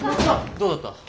どうだった？